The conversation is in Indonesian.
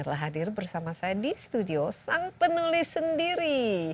telah hadir bersama saya di studio sang penulis sendiri